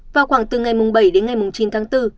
vào khoảng từ ngày bảy đến ngày chín tháng bốn